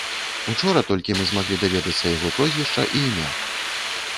Учора толькі мы змаглі даведацца яго прозвішча і імя.